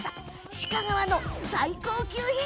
鹿革の最高級品。